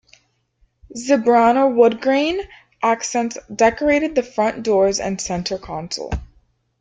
Zebrano woodgrain accents decorated the front doors and center console.